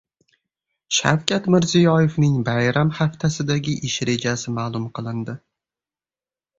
Shavkat Mirziyoyevning bayram haftasidagi ish rejasi ma’lum qilindi